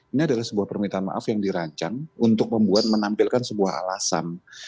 ini adalah sebuah permintaan maaf yang dirancang untuk membuat menampilkan sebuah alasan